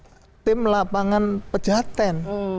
karena itu tim lapangan pejahatan